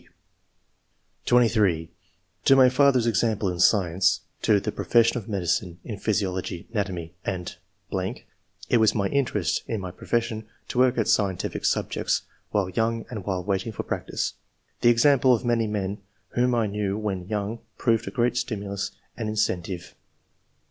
(6) (23) " To my father's example (in science) ; to the profession of medicine (in physiology, ana tomy, and ....). It was my interest in my profession to work at scientific subjects, while young and while waiting for practice. The example of many men whom I knew when young proved a great stimulus and incen tive."